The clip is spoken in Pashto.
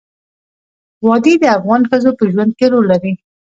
وادي د افغان ښځو په ژوند کې رول لري.